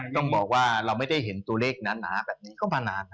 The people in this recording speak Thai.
ต้องบอกว่าเราไม่ได้เห็นตัวเลขนั้นนะฮะแบบนี้ก็มานาน